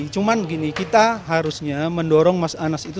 cuma begini kita harusnya mendorong mas anas itu